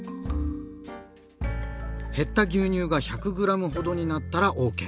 減った牛乳が１００ｇほどになったらＯＫ。